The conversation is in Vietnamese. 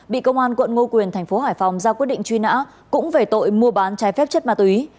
bị công an quận ngo quyền tp hải phòng ra quyết định truy nã cũng về tội mua bán trái phép chất ma túy